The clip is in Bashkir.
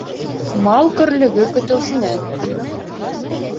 Мал көрлөгө көтөүсенән.